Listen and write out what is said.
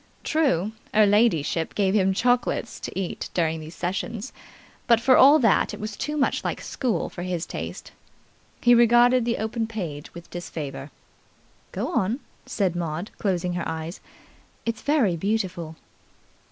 True, 'er ladyship gave him chocolates to eat during these sessions, but for all that it was too much like school for his taste. He regarded the open page with disfavour. "Go on," said Maud, closing her eyes. "It's very beautiful."